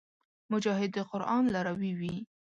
مجاهد د قران لاروي وي.